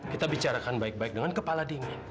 kita bicarakan baik baik dengan kepala dingin